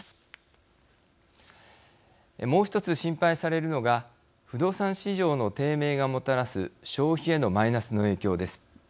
もう一つ心配されるのが不動産市場の低迷がもたらす消費へのマイナスの影響です。